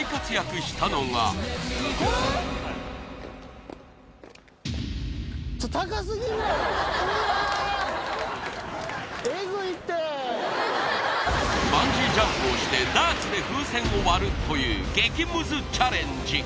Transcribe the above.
はいちょっと高すぎバンジージャンプをしてダーツで風船を割るという激ムズチャレンジ